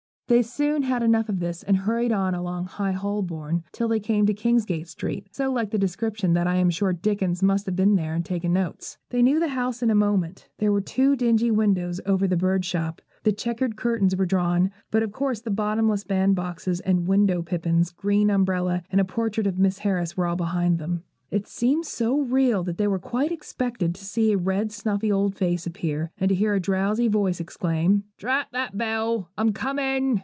They soon had enough of this, and hurried on along High Holborn, till they came to Kingsgate Street, so like the description that I am sure Dickens must have been there and taken notes. They knew the house in a moment: there were the two dingy windows over the bird shop; the checked curtains were drawn, but of course the bottomless bandboxes, the wooden pippins, green umbrella, and portrait of Miss Harris were all behind them. It seemed so real that they quite expected to see a red, snuffy old face appear, and to hear a drowsy voice exclaim: 'Drat that bell: I'm a coming.